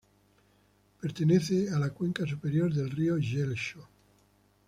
Pertenece a la cuenca superior del río Yelcho.